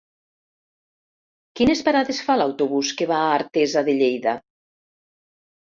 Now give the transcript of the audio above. Quines parades fa l'autobús que va a Artesa de Lleida?